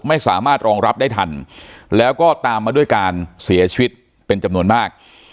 ไม่สามารถรองรับได้ทันแล้วก็ตามมาด้วยการเสียชีวิตเป็นจำนวนมาก